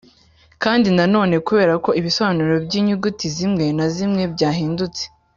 kandi nanone kubera ko ibisobanuro by’inyuguti zimwe na zimwe byahindutse